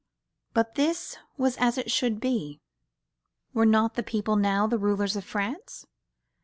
But this was as it should be: were not the people now the rulers of France?